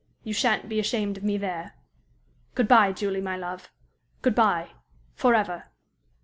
You sha'n't be ashamed of me there. "Good bye, Julie, my love good bye forever!"